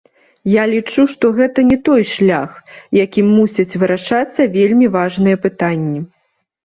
Я лічу, што гэта не той шлях, якім мусяць вырашацца вельмі важныя пытанні.